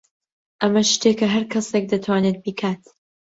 ئەمە شتێکە هەر کەسێک دەتوانێت بیکات.